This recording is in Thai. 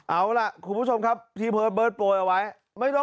เอาละคุณผู้ชมครับที่เพิร์ชเบิร์ดโปรลอ่ะไว้